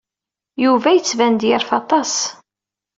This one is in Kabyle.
Yuba yettban-d yerfa aṭas.